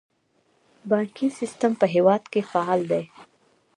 بانکي سیستم په هیواد کې فعال دی